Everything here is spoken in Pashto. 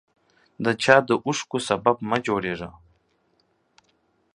د چا د اوښکو سبب مه جوړیږه